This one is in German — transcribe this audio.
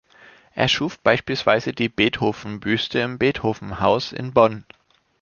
Es schuf beispielsweise die Beethoven-Büste im Beethoven-Haus in Bonn.